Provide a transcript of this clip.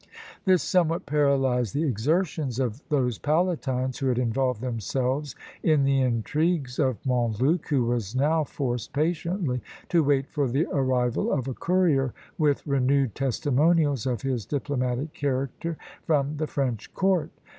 This somewhat paralysed the exertions of those palatines who had involved themselves in the intrigues of Montluc, who was now forced patiently to wait for the arrival of a courier with renewed testimonials of his diplomatic character from the French court.